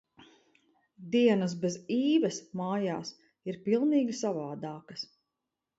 Dienas bez Īves mājās, ir pilnīgi savādākas.